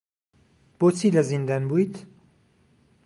بۆچی لە زیندان بوویت؟